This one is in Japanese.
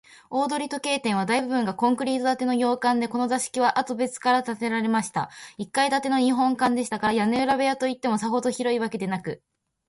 大鳥時計店は、大部分がコンクリート建ての洋館で、この座敷は、あとからべつに建てました一階建ての日本間でしたから、屋根裏といっても、さほど広いわけでなく、